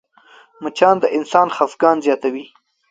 مچان د انسان خفګان زیاتوي